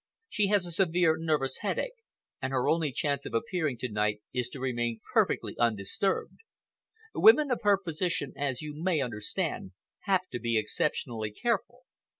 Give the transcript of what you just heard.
She has a severe nervous headache, and her only chance of appearing tonight is to remain perfectly undisturbed. Women of her position, as you may understand, have to be exceptionally careful.